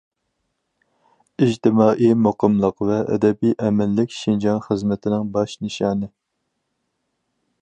ئىجتىمائىي مۇقىملىق ۋە ئەبەدىي ئەمىنلىك شىنجاڭ خىزمىتىنىڭ باش نىشانى.